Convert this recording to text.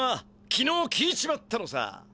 きのう聞いちまったのさ。